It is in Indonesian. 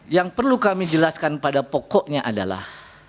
yang perlu kami jelaskan pada pokoknya adalah